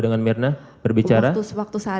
dengan mirna berbicara sewaktu saat